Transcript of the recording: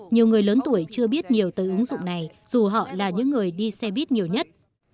nhiều người lớn tuổi chưa biết nhiều tới ứng dụng này dù họ là những người đi xe buýt nhiều nhất